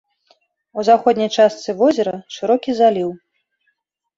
У заходняй часты возера шырокі заліў.